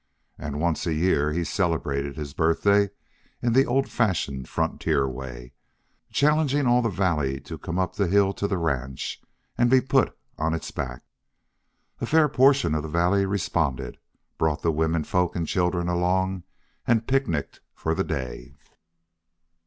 And once a year he celebrated his birthday in the old fashioned frontier way, challenging all the valley to come up the hill to the ranch and be put on its back. And a fair portion of the valley responded, brought the women folk and children along, and picnicked for the day.